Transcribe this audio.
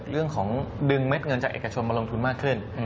เรื่องของดึงเม็ดเงินจากเอกชนมาลงทุนมากขึ้น